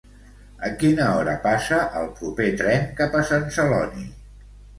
A quina hora passa el proper tren cap a Sant Celoni?